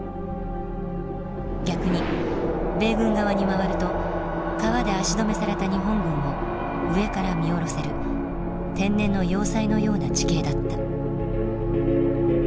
逆に米軍側に回ると川で足止めされた日本軍を上から見下ろせる天然の要塞のような地形だった。